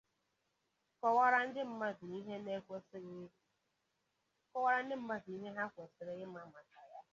kọwaara ndị mmadụ ihe ha kwesiri ịma maka ya